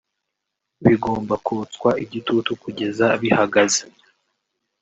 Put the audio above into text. bigomba kotswa igitutu kugeza bihagaze